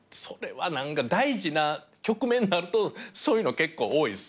それは何か大事な局面になるとそういうの結構多いっすね。